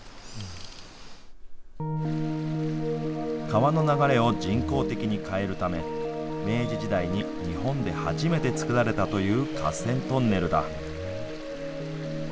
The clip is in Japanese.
川の流れを人工的に変えるため、明治時代に日本で初めてつくられたという河川トンネルだ。